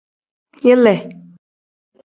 Yile.